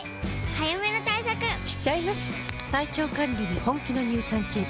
早めの対策しちゃいます。